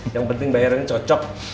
yang penting bayarannya cocok